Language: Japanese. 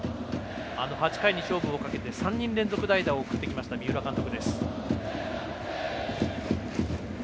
８回に勝負をかけて、３人連続代打を送ってきた三浦監督。